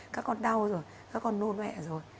các con đau rồi các con nôn mẹ rồi